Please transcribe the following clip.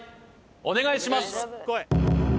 お願いします